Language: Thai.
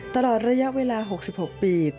ตลอดระยะเวลา๖๖ปี